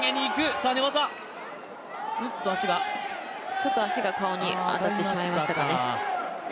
ちょっと足が顔に当たってしまいましたかね。